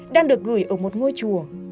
đang được gửi ở một ngôi chùa